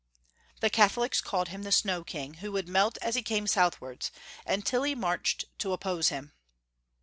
The Catholics called him the Snow king, who would melt as he came southwards, and Tilly marched to oppose him.